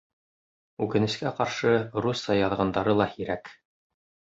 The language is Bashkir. Үкенескә ҡаршы, русса яҙғандары ла һирәк.